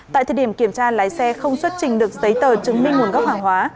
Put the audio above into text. tại thời điểm kiểm tra lái xe không xuất trình được giấy tờ chứng minh nguồn gốc hàng hóa